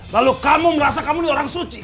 lalu kamu merasa kamu ini orang suci